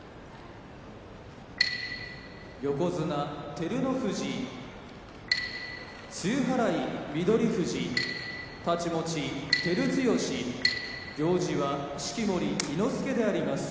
横綱照ノ富士露払い翠富士太刀持ち照強行司は式守伊之助であります。